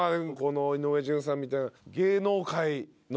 井上順さんみたいな。